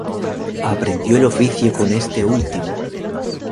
Aprendió el oficio con este último.